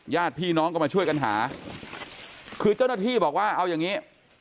ญาติพี่น้องก็มาช่วยกันหาคือเจ้าหน้าที่บอกว่าเอาอย่างงี้